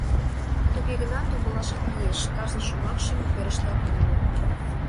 — Туге гынат умылашат лиеш, кажне шомакше мутерыштат уло.